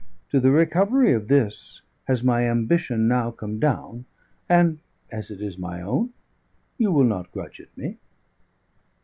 To the recovery of this has my ambition now come down; and, as it is my own, you will not grudge it me."